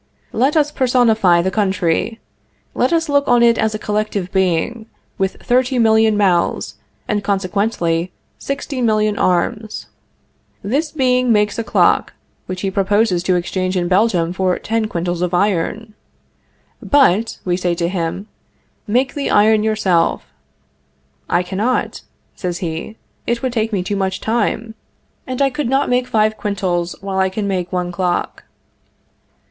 Let us personify the country. Let us look on it as a collective being, with thirty million mouths, and, consequently, sixty million arms. This being makes a clock, which he proposes to exchange in Belgium for ten quintals of iron. "But," we say to him, "make the iron yourself." "I cannot," says he; "it would take me too much time, and I could not make five quintals while I can make one clock."